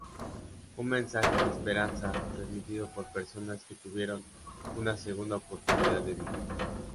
Un mensaje de esperanza transmitido por personas que tuvieron una segunda oportunidad de vivir.